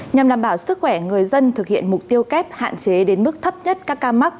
nhằm đảm bảo sức khỏe người dân thực hiện mục tiêu kép hạn chế đến mức thấp nhất các ca mắc